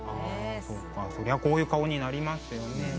そりゃこういう顔になりますよね。